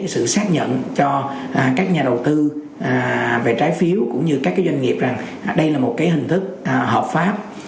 sự xác nhận cho các nhà đầu tư về trái phiếu cũng như các doanh nghiệp đây là một hình thức hợp pháp